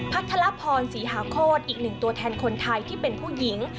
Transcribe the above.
ทรพรศรีหาโคตรอีกหนึ่งตัวแทนคนไทยที่เป็นผู้หญิง